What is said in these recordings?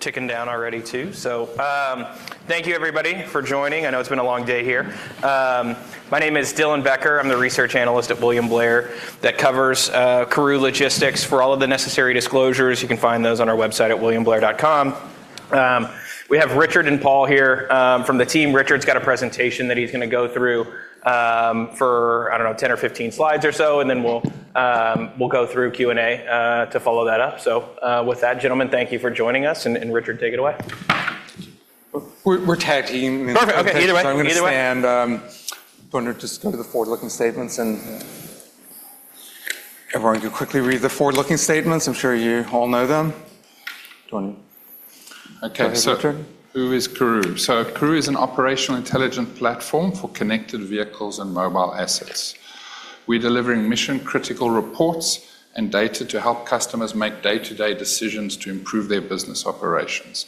Ticking down already too. Thank you everybody for joining. I know it's been a long day here. My name is Dylan Becker. I'm the Research Analyst at William Blair that covers Karooooo Logistics. For all of the necessary disclosures, you can find those on our website at williamblair.com. We have Richard and Paul here, from the team. Richard's got a presentation that he's going to go through for, I don't know, 10 or 15 slides or so, and then we'll go through Q&A to follow that up. With that, gentlemen, thank you for joining us and Richard, take it away. We're tag-teaming. Perfect. Okay, either way. I'm going to stand. Just go to the forward-looking statements and everyone can quickly read the forward-looking statements. I'm sure you all know them. Dylan. Okay. Go ahead, Richard. Who is Karooooo? Karooooo is an operational intelligent platform for connected vehicles and mobile assets. We're delivering mission critical reports and data to help customers make day-to-day decisions to improve their business operations.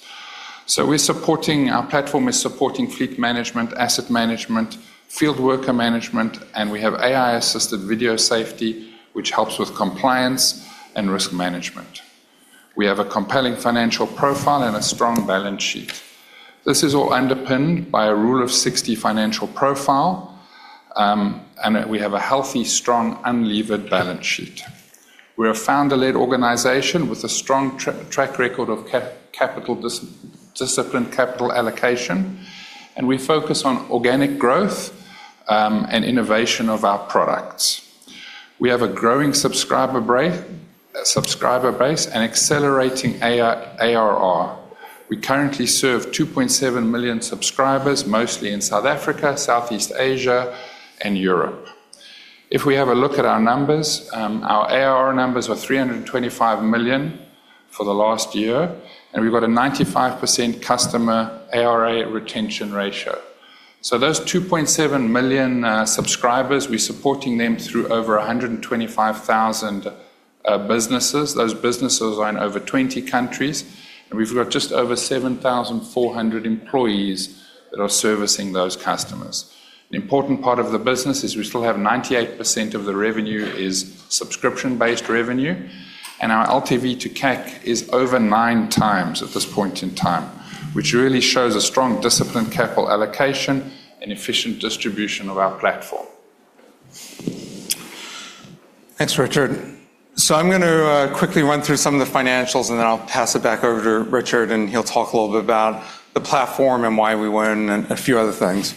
Our platform is supporting fleet management, asset management, field worker management, and we have AI-assisted video safety, which helps with compliance and risk management. We have a compelling financial profile and a strong balance sheet. This is all underpinned by a Rule of 60 financial profile, and we have a healthy, strong unlevered balance sheet. We're a founder-led organization with a strong track record of disciplined capital allocation, and we focus on organic growth and innovation of our products. We have a growing subscriber base, and accelerating ARR. We currently serve 2.7 million subscribers, mostly in South Africa, Southeast Asia, and Europe. If we have a look at our numbers, our ARR numbers were $325 million for the last year. We've got a 95% customer ARR retention ratio. Those 2.7 million subscribers, we're supporting them through over 125,000 businesses. Those businesses are in over 20 countries. We've got just over 7,400 employees that are servicing those customers. An important part of the business is we still have 98% of the revenue is subscription-based revenue. Our LTV to CAC is over 9x at this point in time, which really shows a strong disciplined capital allocation and efficient distribution of our platform. Thanks, Richard. I'm going to quickly run through some of the financials, and then I'll pass it back over to Richard, and he'll talk a little bit about the platform and why we won and a few other things.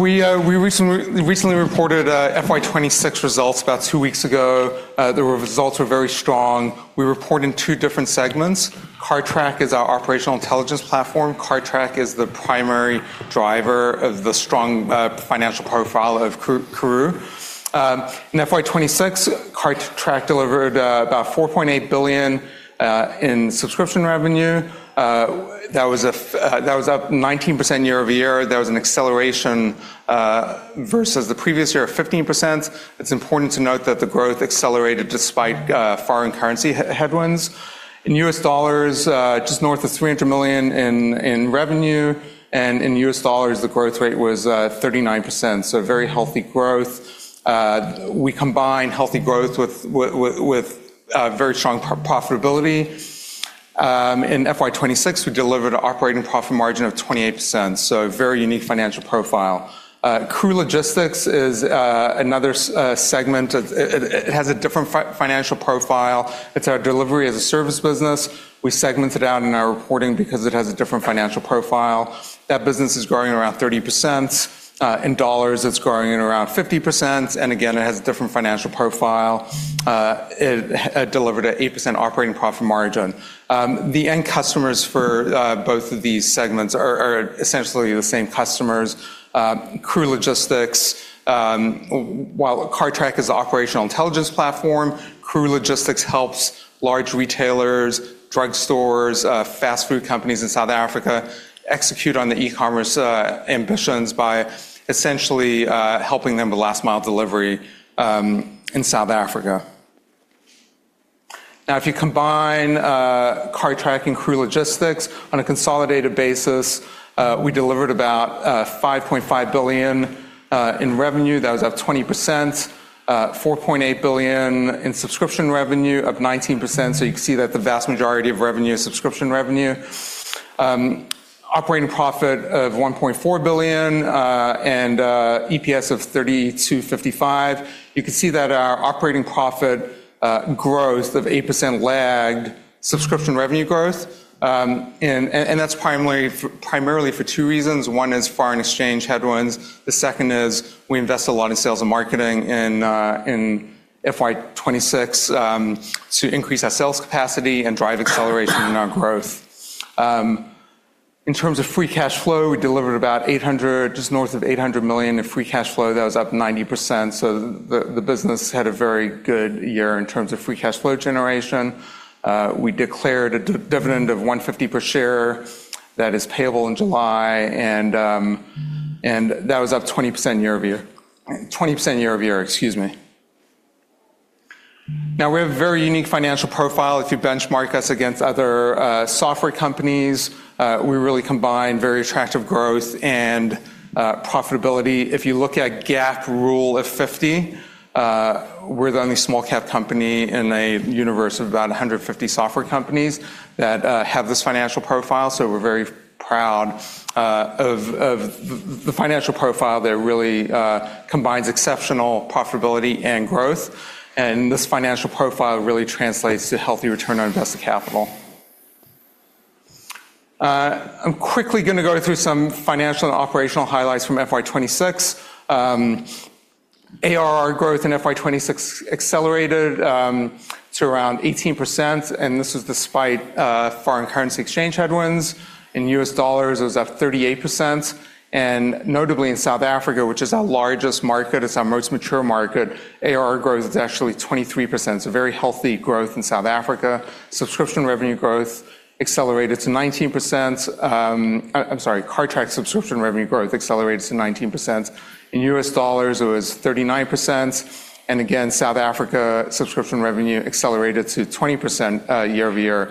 We recently reported FY 2026 results about two weeks ago. The results were very strong. We report in two different segments. Cartrack is our operational intelligence platform. Cartrack is the primary driver of the strong financial profile of Karooooo. In FY 2026, Cartrack delivered about 4.8 billion in subscription revenue. That was up 19% year-over-year. There was an acceleration, versus the previous year of 15%. It's important to note that the growth accelerated despite foreign currency headwinds. In U.S. dollars, just north of $300 million in revenue, and in U.S. dollars, the growth rate was 39%, very healthy growth. We combine healthy growth with very strong profitability. In FY 2026, we delivered an operating profit margin of 28%, so very unique financial profile. Karooooo Logistics is another segment. It has a different financial profile. It's our Delivery-as-a-Service. We segment it out in our reporting because it has a different financial profile. That business is growing around 30%. In dollars, it's growing at around 50%, and again, it has a different financial profile. It delivered an 8% operating profit margin. The end customers for both of these segments are essentially the same customers. While Cartrack is an operational intelligence platform, Karooooo Logistics helps large retailers, drugstores, fast food companies in South Africa execute on the e-commerce ambitions by essentially helping them with last mile delivery in South Africa. Now, if you combine Cartrack and Karooooo Logistics on a consolidated basis, we delivered about 5.5 billion in revenue. That was up 20%. 4.8 billion in subscription revenue, up 19%, so you can see that the vast majority of revenue is subscription revenue. Operating profit of 1.4 billion, and EPS of 32.55. You can see that our operating profit growth of 8% lagged subscription revenue growth. That's primarily for two reasons. One is foreign exchange headwinds. The second is we invest a lot in sales and marketing in FY 2026, to increase our sales capacity and drive acceleration in our growth. In terms of free cash flow, we delivered about just north of 800 million in free cash flow. That was up 90%, so the business had a very good year in terms of free cash flow generation. We declared a dividend of 1.50 per share that is payable in July, and that was up 20% year-over-year. Now, we have a very unique financial profile. If you benchmark us against other software companies, we really combine very attractive growth and profitability. If you look at GAAP Rule of 50, we're the only small-cap company in a universe of about 150 software companies that have this financial profile. We're very proud of the financial profile that really combines exceptional profitability and growth. This financial profile really translates to healthy return on invested capital. I'm quickly going to go through some financial and operational highlights from FY 2026. ARR growth in FY 2026 accelerated to around 18%. This is despite foreign currency exchange headwinds. In U.S. dollars, it was up 38%. Notably in South Africa, which is our largest market, it's our most mature market, ARR growth is actually 23%. Very healthy growth in South Africa. Cartrack subscription revenue growth accelerated to 19%. In U.S. dollars, it was 39%. Again, South Africa subscription revenue accelerated to 20% year-over-year.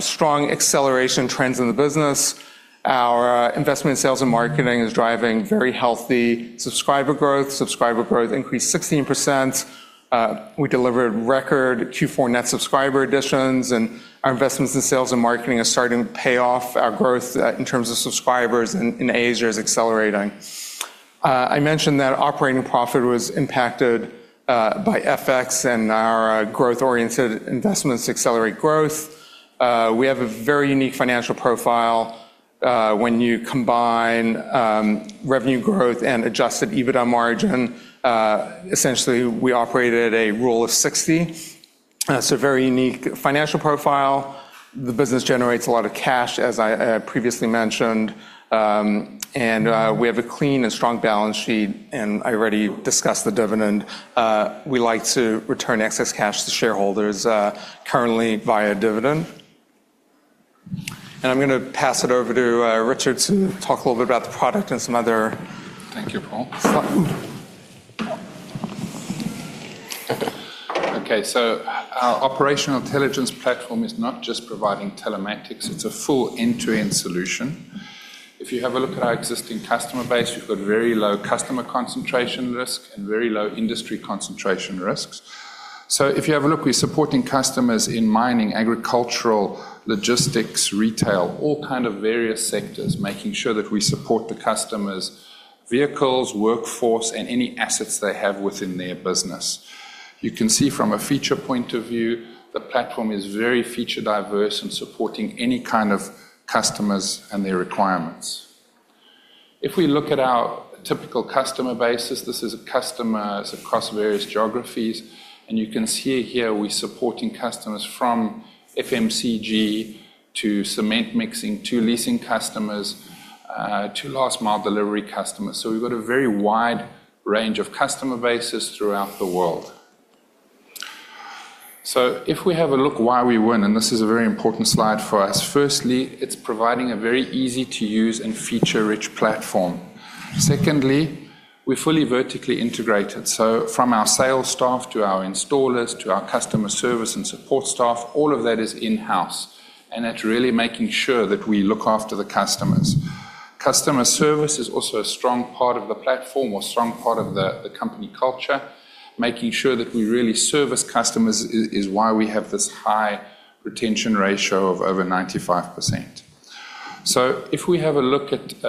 Strong acceleration trends in the business. Our investment in sales and marketing is driving very healthy subscriber growth. Subscriber growth increased 16%. We delivered record Q4 net subscriber additions. Our investments in sales and marketing are starting to pay off. Our growth in terms of subscribers in Asia is accelerating. I mentioned that operating profit was impacted by FX. Our growth-oriented investments accelerate growth. We have a very unique financial profile. When you combine revenue growth and Adjusted EBITDA margin, essentially, we operate at a Rule of 60. It's a very unique financial profile. The business generates a lot of cash, as I previously mentioned. We have a clean and strong balance sheet. I already discussed the dividend. We like to return excess cash to shareholders, currently via dividend. I'm going to pass it over to Richard to talk a little bit about the product. Thank you, Paul. Our operational intelligence platform is not just providing telematics, it's a full end-to-end solution. If you have a look at our existing customer base, we've got very low customer concentration risk and very low industry concentration risks. If you have a look, we're supporting customers in mining, agricultural, logistics, retail, all kind of various sectors, making sure that we support the customers' vehicles, workforce, and any assets they have within their business. You can see from a feature point of view, the platform is very feature diverse in supporting any kind of customers and their requirements. If we look at our typical customer bases, this is customers across various geographies, and you can see here we're supporting customers from FMCG to cement mixing, to leasing customers, to last-mile delivery customers. We've got a very wide range of customer bases throughout the world. If we have a look why we win, this is a very important slide for us. Firstly, it's providing a very easy-to-use and feature-rich platform. Secondly, we're fully vertically integrated, from our sales staff to our installers, to our customer service and support staff, all of that is in-house, that's really making sure that we look after the customers. Customer service is also a strong part of the platform or strong part of the company culture. Making sure that we really service customers is why we have this high retention ratio of over 95%. If we have a look at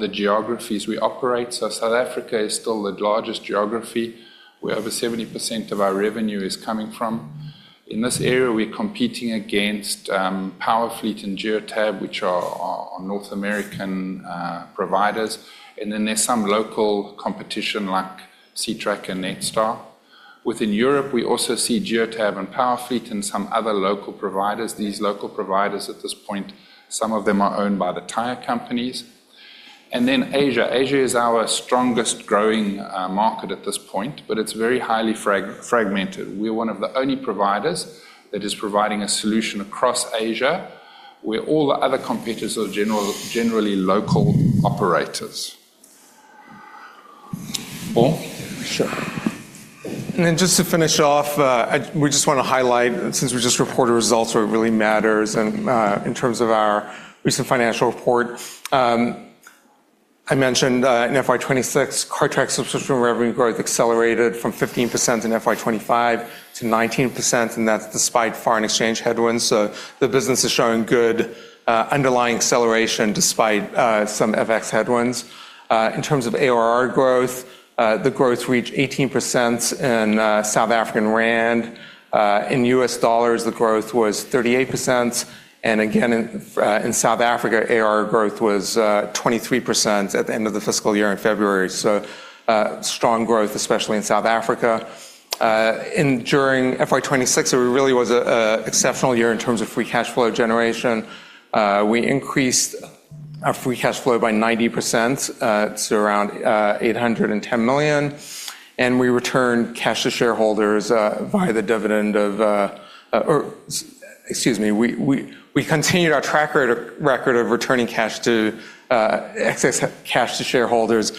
the geographies we operate. South Africa is still the largest geography, where over 70% of our revenue is coming from. In this area, we're competing against Powerfleet and Geotab, which are North American providers. Then there's some local competition like Ctrack and Netstar. Within Europe, we also see Geotab and Powerfleet and some other local providers. These local providers at this point, some of them are owned by the tire companies. Then Asia. Asia is our strongest growing market at this point, but it's very highly fragmented. We're one of the only providers that is providing a solution across Asia, where all the other competitors are generally local operators. Paul? Sure. Just to finish off, we just want to highlight, since we just reported results, where it really matters in terms of our recent financial report. I mentioned in FY 2026, Cartrack subscription revenue growth accelerated from 15% in FY 2025 to 19%, despite foreign exchange headwinds. The business is showing good underlying acceleration despite some FX headwinds. In terms of ARR growth, the growth reached 18% in South African rand. In U.S. dollars, the growth was 38%. In South Africa, ARR growth was 23% at the end of the fiscal year in February. Strong growth, especially in South Africa. During FY 2026, it really was an exceptional year in terms of free cash flow generation. We increased our free cash flow by 90%, to around 810 million, and we returned cash to shareholders via the dividend. We continued our track record of returning excess cash to shareholders.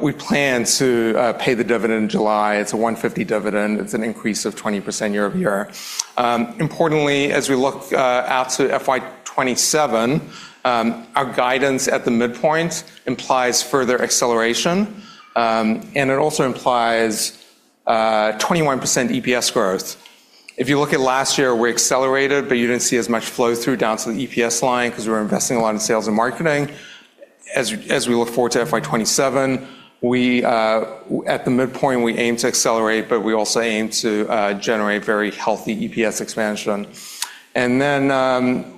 We plan to pay the dividend in July. It's a 1.50 dividend. It's an increase of 20% year-over-year. As we look out to FY 2027, our guidance at the midpoint implies further acceleration. It also implies 21% EPS growth. If you look at last year, we accelerated, but you didn't see as much flow through down to the EPS line because we were investing a lot in sales and marketing. As we look forward to FY 2027, at the midpoint, we aim to accelerate, but we also aim to generate very healthy EPS expansion.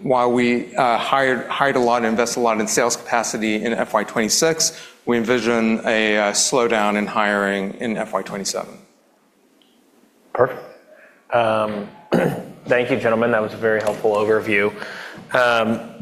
While we hired a lot and invest a lot in sales capacity in FY 2026, we envision a slowdown in hiring in FY 2027. Perfect. Thank you, gentlemen. That was a very helpful overview.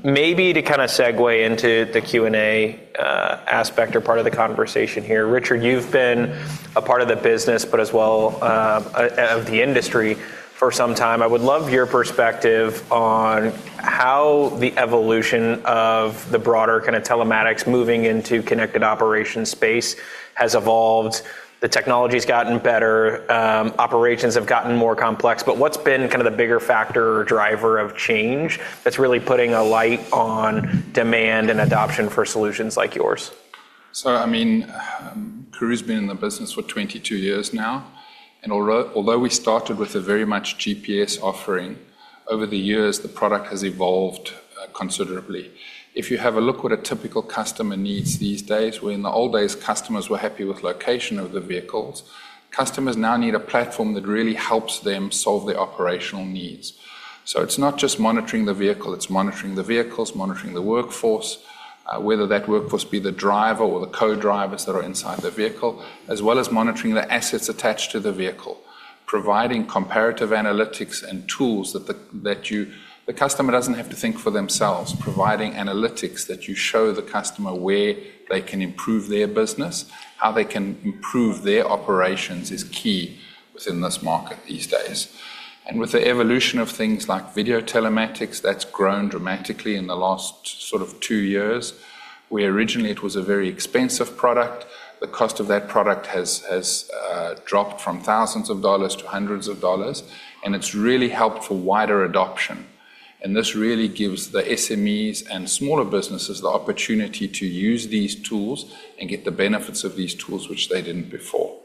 Maybe to kind of segue into the Q&A aspect or part of the conversation here. Richard, you've been a part of the business, but as well of the industry for some time. I would love your perspective on how the evolution of the broader kind of telematics moving into connected operation space has evolved. The technology's gotten better, operations have gotten more complex, but what's been kind of the bigger factor or driver of change that's really putting a light on demand and adoption for solutions like yours? Karooooo's been in the business for 22 years now. Although we started with a very much GPS offering, over the years, the product has evolved considerably. If you have a look what a typical customer needs these days, where in the old days customers were happy with location of the vehicles, customers now need a platform that really helps them solve their operational needs. It's not just monitoring the vehicle, it's monitoring the vehicles, monitoring the workforce, whether that workforce be the driver or the co-drivers that are inside the vehicle, as well as monitoring the assets attached to the vehicle. The customer doesn't have to think for themselves, providing analytics that you show the customer where they can improve their business, how they can improve their operations is key within this market these days. With the evolution of things like video telematics, that's grown dramatically in the last sort of two years, where originally it was a very expensive product. The cost of that product has dropped from thousands of dollars to hundreds of dollars, and it's really helped for wider adoption. This really gives the SMEs and smaller businesses the opportunity to use these tools and get the benefits of these tools, which they didn't before.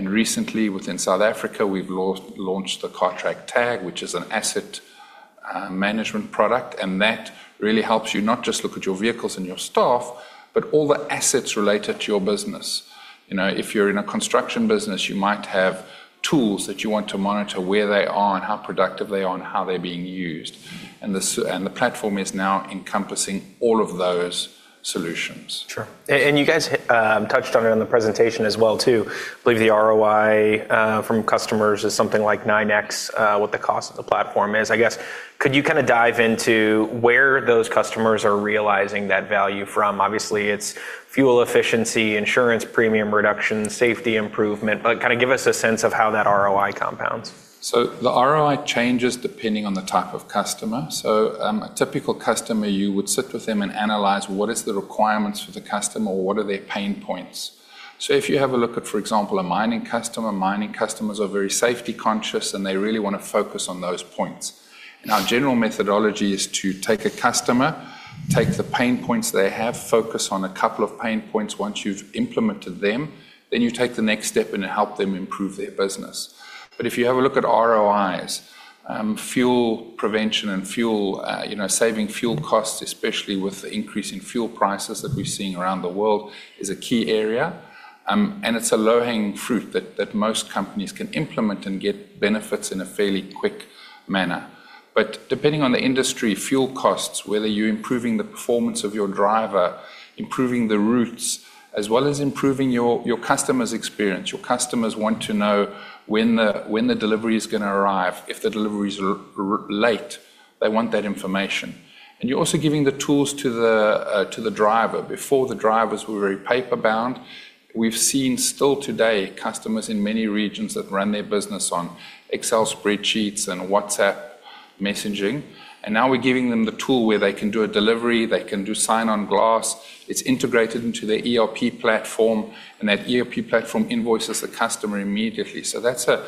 Recently, within South Africa, we've launched the Cartrack-Tag, which is an asset management product. That really helps you not just look at your vehicles and your staff, but all the assets related to your business. If you're in a construction business, you might have tools that you want to monitor where they are and how productive they are, and how they're being used. The platform is now encompassing all of those solutions. Sure. You guys touched on it in the presentation as well too. I believe the ROI from customers is something like 9x what the cost of the platform is. I guess, could you kind of dive into where those customers are realizing that value from? Obviously, it's fuel efficiency, insurance premium reduction, safety improvement, but kind of give us a sense of how that ROI compounds. The ROI changes depending on the type of customer. A typical customer, you would sit with them and analyze what is the requirements for the customer or what are their pain points. If you have a look at, for example, a mining customer, mining customers are very safety conscious, and they really want to focus on those points. Our general methodology is to take a customer, take the pain points they have, focus on a couple of pain points. Once you've implemented them, then you take the next step and help them improve their business. If you have a look at ROIs, fuel prevention and saving fuel costs, especially with the increase in fuel prices that we're seeing around the world, is a key area. It's a low-hanging fruit that most companies can implement and get benefits in a fairly quick manner. Depending on the industry, fuel costs, whether you're improving the performance of your driver, improving the routes, as well as improving your customer's experience. Your customers want to know when the delivery is going to arrive. If the delivery's late, they want that information. You're also giving the tools to the driver. Before, the drivers were very paper bound. We've seen still today customers in many regions that run their business on Excel spreadsheets and WhatsApp messaging. Now, we're giving them the tool where they can do a delivery, they can do Sign-On-Glass. It's integrated into their ERP platform and that ERP platform invoices the customer immediately. That's a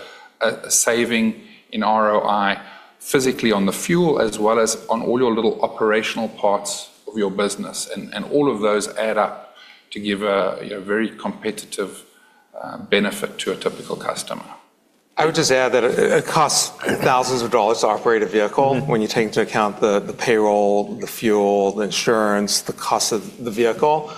saving in ROI physically on the fuel as well as on all your little operational parts of your business. All of those add up to give a very competitive benefit to a typical customer. I would just add that it costs thousands of dollars to operate a vehicle when you take into account the payroll, the fuel, the insurance, the cost of the vehicle.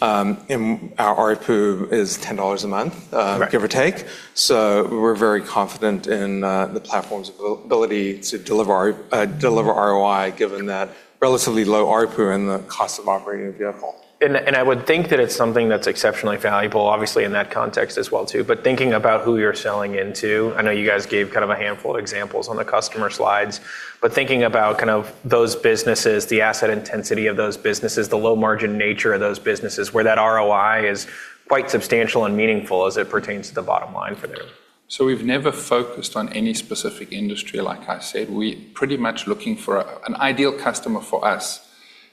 Our ARPU is $10 a month, give or take. We're very confident in the platform's ability to deliver ROI, given that relatively low ARPU and the cost of operating a vehicle. I would think that it's something that's exceptionally valuable, obviously, in that context as well too. Thinking about who you're selling into, I know you guys gave kind of a handful of examples on the customer slides, but thinking about kind of those businesses, the asset intensity of those businesses, the low margin nature of those businesses where that ROI is quite substantial and meaningful as it pertains to the bottom line for them. We've never focused on any specific industry, like I said. An ideal customer for us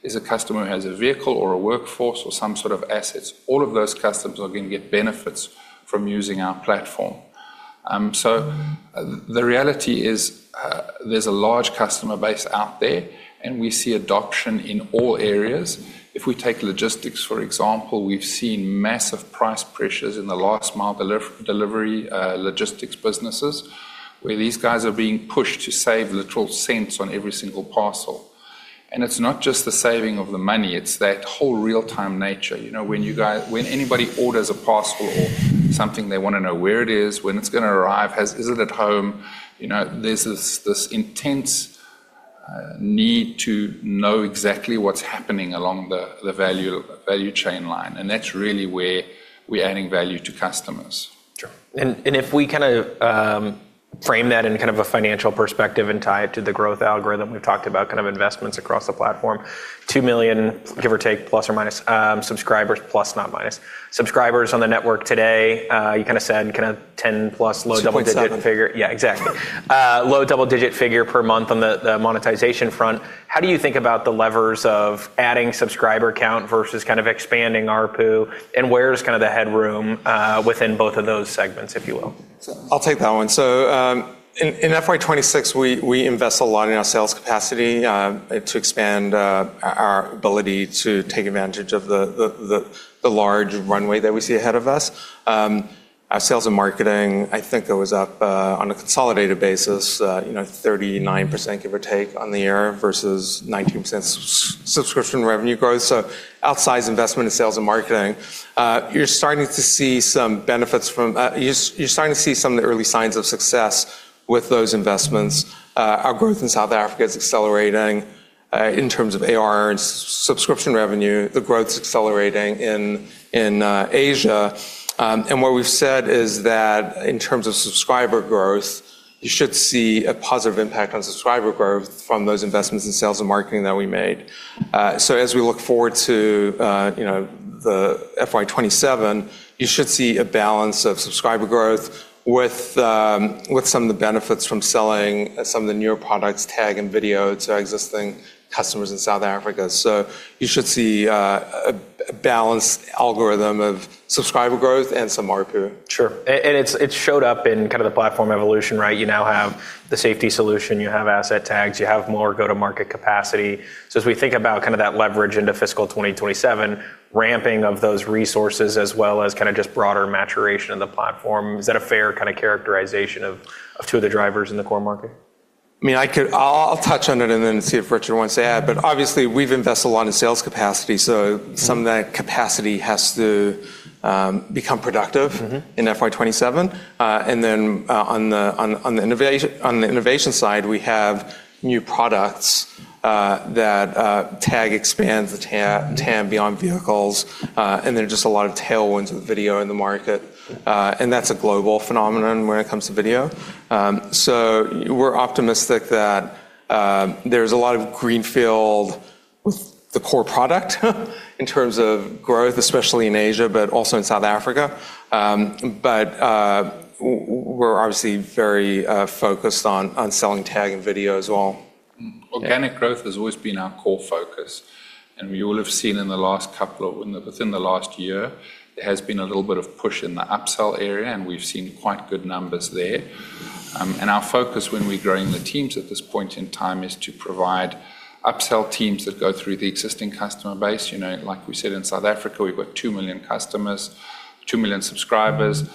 is a customer who has a vehicle or a workforce or some sort of assets. All of those customers are going to get benefits from using our platform. The reality is, there's a large customer base out there, and we see adoption in all areas. If we take logistics, for example, we've seen massive price pressures in the last mile delivery logistics businesses, where these guys are being pushed to save literal cents on every single parcel. It's not just the saving of the money, it's that whole real-time nature. When anybody orders a parcel or something, they want to know where it is, when it's going to arrive. Is it at home? There's this intense need to know exactly what's happening along the value chain line, and that's really where we're adding value to customers. Sure. If we frame that in a financial perspective and tie it to the growth algorithm, we've talked about investments across the platform, 2 million, give or take, plus not minus subscribers on the network today. You said 10+ low double-digit figure. 2.7 million. Exactly. Low double-digit figure per month on the monetization front. How do you think about the levers of adding subscriber count versus expanding ARPU, where's the headroom within both of those segments, if you will? I'll take that one. In FY 2026, we invest a lot in our sales capacity to expand our ability to take advantage of the large runway that we see ahead of us. Our sales and marketing, I think that was up on a consolidated basis 39%, give or take on the year versus 19% subscription revenue growth. Outsized investment in sales and marketing. You're starting to see some of the early signs of success with those investments. Our growth in South Africa is accelerating in terms of ARR and subscription revenue. The growth's accelerating in Asia. What we've said is that in terms of subscriber growth, you should see a positive impact on subscriber growth from those investments in sales and marketing that we made. As we look forward to the FY 2027, you should see a balance of subscriber growth with some of the benefits from selling some of the newer products, tag and video, to our existing customers in South Africa. You should see a balanced algorithm of subscriber growth and some ARPU. Sure. It showed up in the platform evolution. You now have the safety solution, you have asset tags, you have more go-to-market capacity. As we think about that leverage into fiscal 2027, ramping of those resources, as well as just broader maturation of the platform, is that a fair characterization of two of the drivers in the core market? I'll touch on it and then see if Richard wants to add. Obviously, we've invested a lot in sales capacity, some of that capacity has to become productive in FY 2027. On the innovation side, we have new products that Tag expands the TAM beyond vehicles. There are just a lot of tailwinds with video in the market. That's a global phenomenon when it comes to video. We're optimistic that there's a lot of greenfield with the core product in terms of growth, especially in Asia, but also in South Africa. We're obviously very focused on selling Tag and video as well. Organic growth has always been our core focus. You will have seen within the last year, there has been a little bit of push in the upsell area, and we've seen quite good numbers there. Our focus when we're growing the teams at this point in time is to provide upsell teams that go through the existing customer base. Like we said, in South Africa, we've got 2 million customers, 2 million subscribers.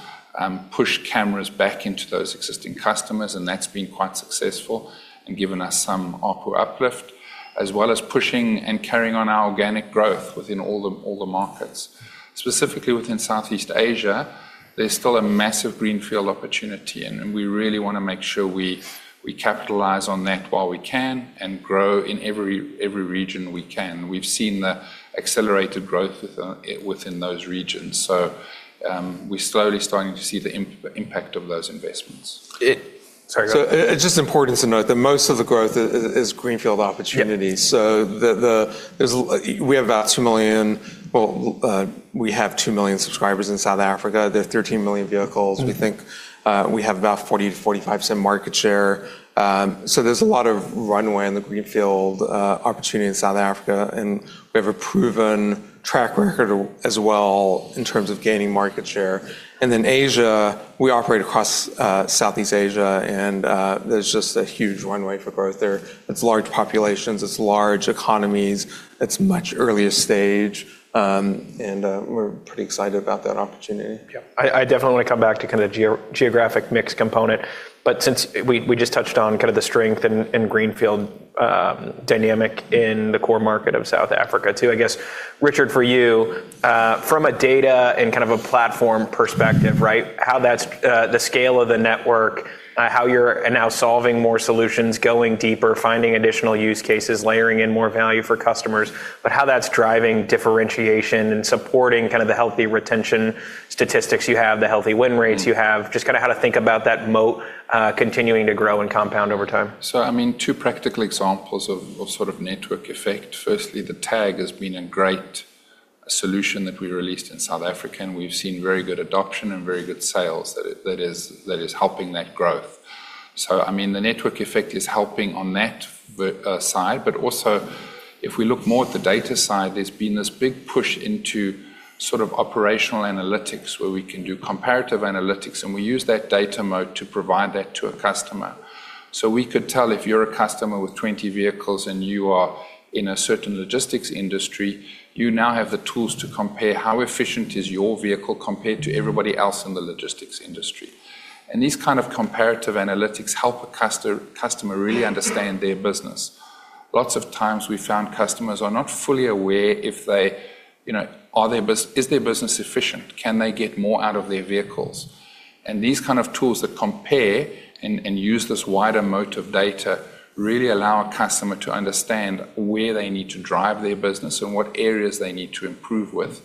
Push cameras back into those existing customers, and that's been quite successful and given us some ARPU uplift, as well as pushing and carrying on our organic growth within all the markets. Specifically within Southeast Asia, there's still a massive greenfield opportunity, and we really want to make sure we capitalize on that while we can and grow in every region we can. We've seen the accelerated growth within those regions. We're slowly starting to see the impact of those investments. It's just important to note that most of the growth is greenfield opportunities. We have about 2 million subscribers in South Africa. There are 13 million vehicles. We think we have about 40%-45% market share. There's a lot of runway in the greenfield opportunity in South Africa, and we have a proven track record as well in terms of gaining market share. In Asia, we operate across Southeast Asia, and there's just a huge runway for growth there. It's large populations, it's large economies, it's much earlier stage. We're pretty excited about that opportunity. I definitely want to come back to geographic mix component, but since we just touched on the strength in greenfield dynamic in the core market of South Africa too, I guess, Richard, for you, from a data and a platform perspective, the scale of the network, how you're now solving more solutions, going deeper, finding additional use cases, layering in more value for customers, but how that's driving differentiation and supporting the healthy retention statistics you have, the healthy win rates you have. Just how to think about that moat continuing to grow and compound over time. Two practical examples of sort of network effect. Firstly, the Tag has been a great solution that we released in South Africa, and we've seen very good adoption and very good sales that is helping that growth. The network effect is helping on that side. Also, if we look more at the data side, there's been this big push into operational analytics where we can do comparative analytics, and we use that data moat to provide that to a customer. We could tell if you're a customer with 20 vehicles and you are in a certain logistics industry, you now have the tools to compare how efficient is your vehicle compared to everybody else in the logistics industry. These kind of comparative analytics help a customer really understand their business. Lots of times, we found customers are not fully aware. Is their business efficient? Can they get more out of their vehicles? These kind of tools that compare and use this wider moat of data really allow a customer to understand where they need to drive their business and what areas they need to improve with.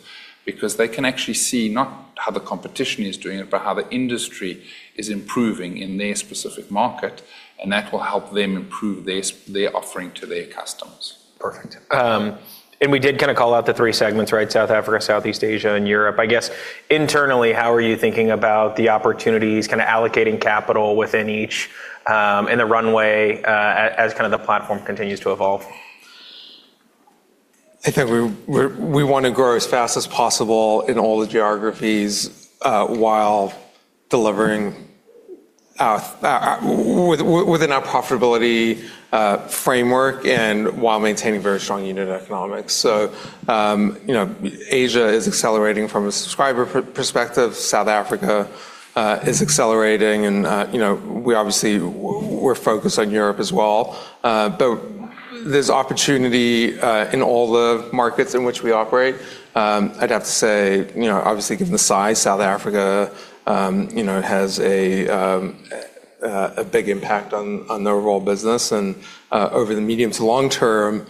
They can actually see not how the competition is doing, but how the industry is improving in their specific market, and that will help them improve their offering to their customers. Perfect. We did call out the three segments: South Africa, Southeast Asia, and Europe. I guess internally, how are you thinking about the opportunities allocating capital within each, and the runway as the platform continues to evolve? I think we want to grow as fast as possible in all the geographies, while delivering within our profitability framework and while maintaining very strong unit economics. Asia is accelerating from a subscriber perspective. South Africa is accelerating and, we obviously, we're focused on Europe as well. There's opportunity in all the markets in which we operate. I'd have to say, obviously given the size, South Africa has a big impact on the overall business. Over the medium to long term,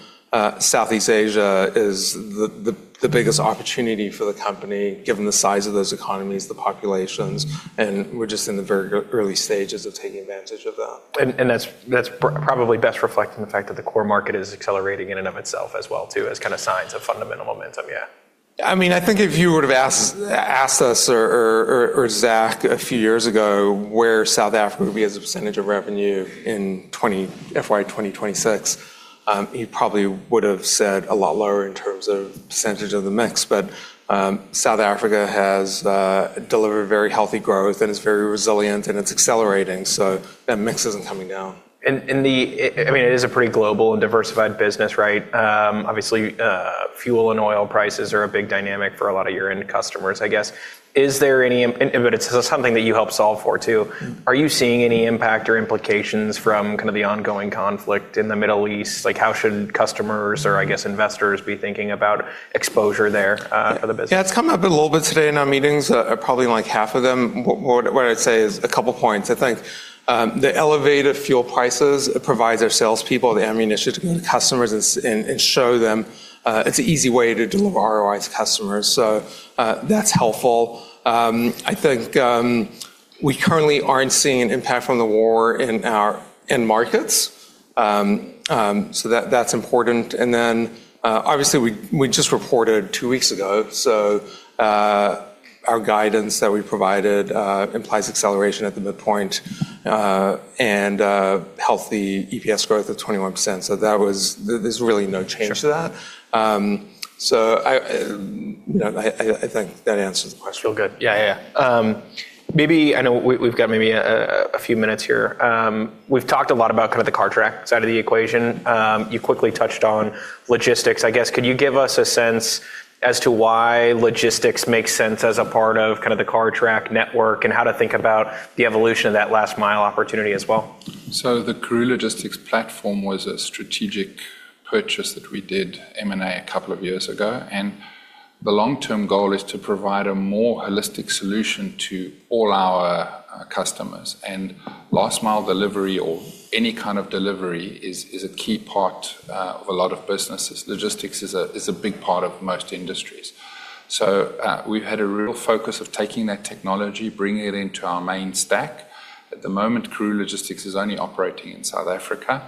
Southeast Asia is the biggest opportunity for the company, given the size of those economies, the populations, and we're just in the very early stages of taking advantage of that. That's probably best reflecting the fact that the core market is accelerating in and of itself as well too, as signs of fundamental momentum. I think if you would've asked us or Zak a few years ago where South Africa would be as a percentage of revenue in FY 2026, he probably would've said a lot lower in terms of percentage of the mix. South Africa has delivered very healthy growth, and it's very resilient, and it's accelerating. That mix isn't coming down. It is a pretty global and diversified business. Obviously, fuel and oil prices are a big dynamic for a lot of your end customers, I guess. It's something that you help solve for too. Are you seeing any impact or implications from the ongoing conflict in the Middle East? How should customers or I guess investors be thinking about exposure there, for the business? It's come up a little bit today in our meetings, probably like half of them. What I'd say is a couple points. The elevated fuel prices provides our salespeople the ammunition to go to customers and show them it's an easy way to deliver ROI to customers. That's helpful. We currently aren't seeing an impact from the war in markets. That's important. Then, obviously we just reported two weeks ago, our guidance that we provided implies acceleration at the midpoint, and healthy EPS growth of 21%. There's really no change to that. I think that answers the question. All good. I know we've got maybe a few minutes here. We've talked a lot about the Cartrack side of the equation. You quickly touched on Karooooo Logistics, I guess. Could you give us a sense as to why Karooooo Logistics makes sense as a part of the Cartrack network and how to think about the evolution of that last mile opportunity as well? The Karooooo Logistics platform was a strategic purchase that we did M&A a couple of years ago. The long-term goal is to provide a more holistic solution to all our customers. Last mile delivery or any kind of delivery is a key part of a lot of businesses. Logistics is a big part of most industries. We've had a real focus of taking that technology, bringing it into our main stack. At the moment, Karooooo Logistics is only operating in South Africa,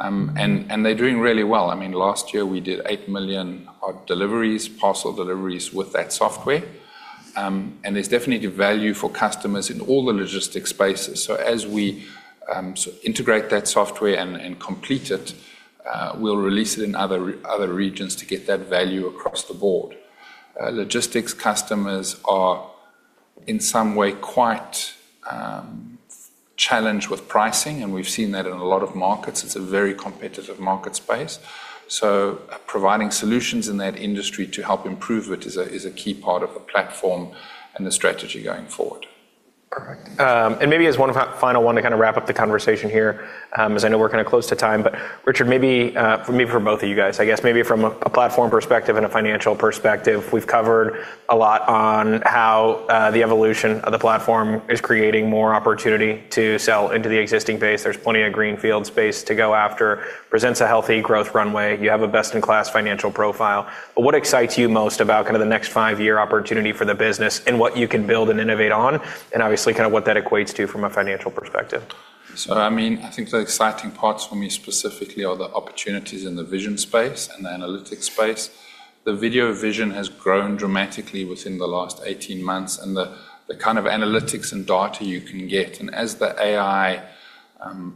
and they're doing really well. Last year we did 8 million deliveries, parcel deliveries with that software. There's definitely value for customers in all the logistics spaces. As we integrate that software and complete it, we'll release it in other regions to get that value across the board. Logistics customers are in some way quite challenged with pricing. We've seen that in a lot of markets. It's a very competitive market space. Providing solutions in that industry to help improve it is a key part of the platform and the strategy going forward. Perfect. Maybe as one final one to wrap up the conversation here, as I know we're close to time, but Richard, maybe for both of you guys, I guess maybe from a platform perspective and a financial perspective, we've covered a lot on how the evolution of the platform is creating more opportunity to sell into the existing base. There's plenty of greenfield space to go after, presents a healthy growth runway. You have a best-in-class financial profile. What excites you most about the next five-year opportunity for the business and what you can build and innovate on? Obviously what that equates to from a financial perspective. I think the exciting parts for me specifically are the opportunities in the vision space and the analytics space. The video vision has grown dramatically within the last 18 months and the kind of analytics and data you can get. As the AI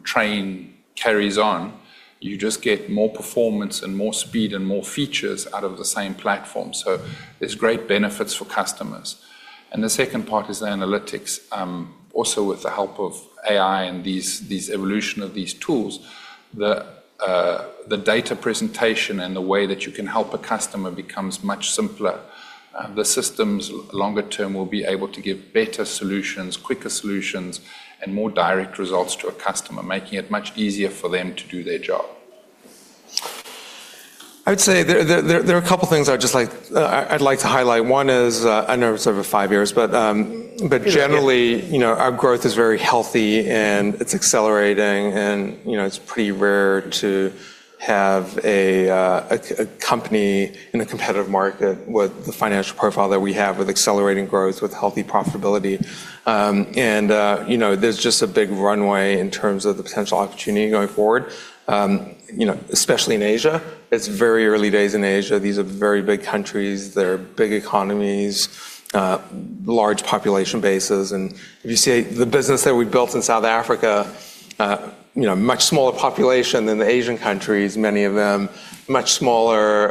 train carries on, you just get more performance and more speed and more features out of the same platform, so there's great benefits for customers. The second part is the analytics. Also with the help of AI and these evolution of these tools, the data presentation and the way that you can help a customer becomes much simpler. The systems longer term will be able to give better solutions, quicker solutions, and more direct results to a customer, making it much easier for them to do their job. I would say there are a couple of things I'd like to highlight. One is, I know it's over five years. Generally, our growth is very healthy and it's accelerating and it's pretty rare to have a company in a competitive market with the financial profile that we have with accelerating growth, with healthy profitability. There's just a big runway in terms of the potential opportunity going forward. Especially in Asia. It's very early days in Asia. These are very big countries. They're big economies, large population bases. If you see the business that we've built in South Africa, much smaller population than the Asian countries, many of them much smaller,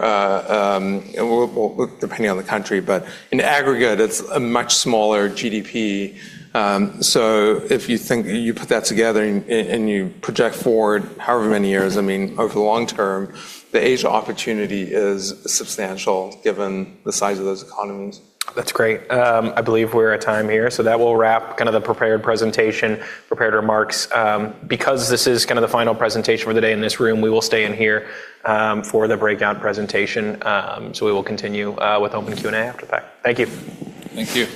depending on the country, but in aggregate, it's a much smaller GDP. If you put that together and you project forward however many years, over the long term, the Asia opportunity is substantial given the size of those economies. That's great. I believe we're at time here, so that will wrap the prepared presentation, prepared remarks. Because this is the final presentation for the day in this room, we will stay in here for the breakout presentation. We will continue with open Q&A after that. Thank you. Thank you.